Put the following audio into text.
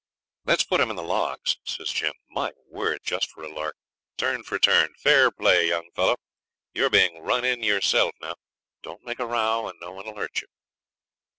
'Let's put him in the logs,' says Jim. 'My word! just for a lark; turn for turn. Fair play, young fellow. You're being "run in" yourself now. Don't make a row, and no one'll hurt you.'